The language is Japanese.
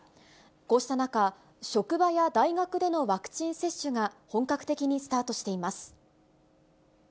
こうした中、職場や大学でのワクチン接種が本格的にスタートしています。